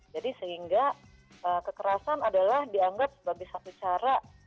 jadi sehingga kekerasan adalah dianggap sebagai satu cara